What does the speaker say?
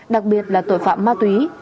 đặc biệt là tội phạm ma túy